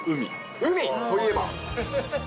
海といえば？